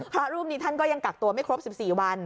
พระรูปนี้ท่านก็ยังกักตัวไม่ครบ๑๔วัน